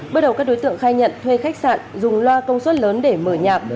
bước đầu các đối tượng khai nhận thuê khách sạn dùng loa công suất lớn để mở nhạc